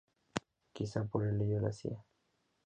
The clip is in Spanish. Quizá por ello la "Cía.